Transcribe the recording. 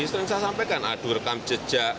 ini yang saya sampaikan adu rekam jejak